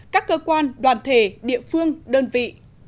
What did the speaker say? các cơ quan đoàn thể địa phương đơn vị